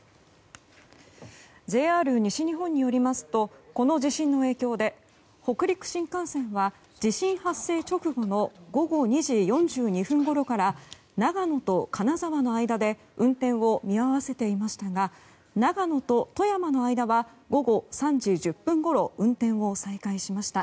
ＪＲ西日本によりますとこの地震の影響で北陸新幹線は地震発生直後の午後２時４２分ごろから長野と金沢の間で運転を見合わせていましたが長野と富山の間は午後３時１０分ごろ運転を再開しました。